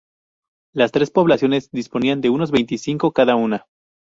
Las tres poblaciones disponían de unos veinte vecinos cada una.